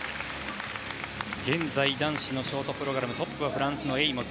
現在、男子のショートプログラムトップはフランスのエイモズ。